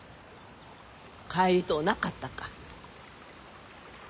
帰りとうなかったか？